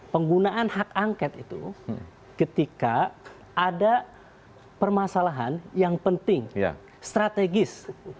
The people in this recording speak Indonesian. penggunaan hak angket itu ketika ada permasalahan yang penting strategis